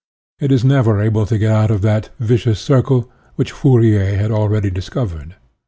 It is never able to get out of that " vicious circle," which Fourier had already discov ered.